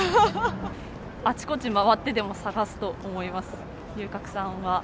あちこち回ってでも探すと思います、龍角散は。